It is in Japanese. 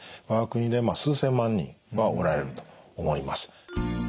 我が国でまあ数千万人はおられると思います。